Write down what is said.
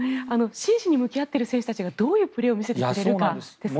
真摯に向き合っている選手がどういうプレーを見せてくれるかですね。